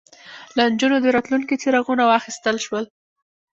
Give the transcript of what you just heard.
له نجونو د راتلونکي څراغونه واخیستل شول